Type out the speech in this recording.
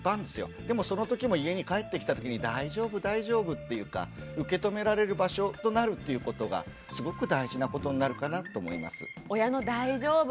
でもそのときも家に帰ってきたときに「大丈夫大丈夫」っていうか受け止められる場所となるっていうことがすごく大事なことになるかなと思います。